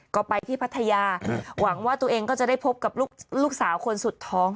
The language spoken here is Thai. ก็ไปที่พัทยาหวังว่าตัวเองก็จะได้พบกับลูกสาวคนสุดท้อง